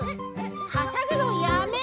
はしゃぐのやめ！